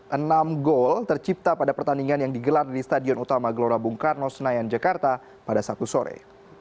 enam gol tercipta pada pertandingan yang digelar di stadion utama gelora bung karno senayan jakarta pada sabtu sore